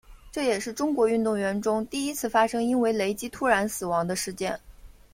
这也是中国运动员中第一次发生因为雷击突然死亡的事件。